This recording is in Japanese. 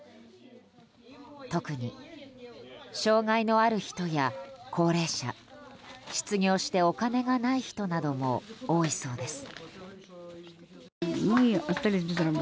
特に、障害のある人や高齢者失業してお金がない人なども多いそうです。